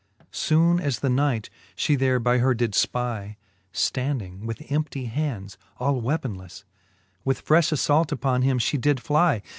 Soone as the knight fhe there by her did fpy, Standing with emptie hands all weaponlefle. With frefh afiault upon him fhe did fly.